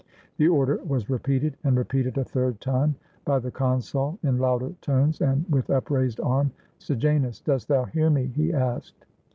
The order was repeated, and repeated a third time by the consul in louder tones and with upraised arm. "Sejanus! dost thou hear me?" he asked.